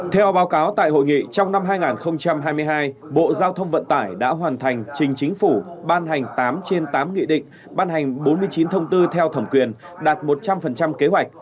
theo báo cáo tại hội nghị trong năm hai nghìn hai mươi hai bộ giao thông vận tải đã hoàn thành trình chính phủ ban hành tám trên tám nghị định ban hành bốn mươi chín thông tư theo thẩm quyền đạt một trăm linh kế hoạch